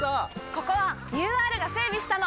ここはＵＲが整備したの！